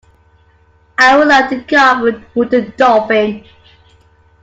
I would like to carve a wooden dolphin.